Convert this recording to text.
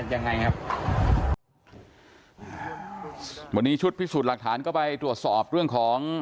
ยังไงครับวันนี้ชุดพิสูจน์หลักฐานก็ไปตรวจสอบเรื่องของ